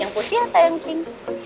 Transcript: yang pusing atau yang clean